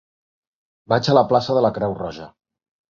Vaig a la plaça de la Creu Roja.